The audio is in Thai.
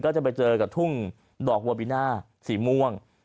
จะไปเจอกับทุ่งดอกบัวบิน่าสีม่วง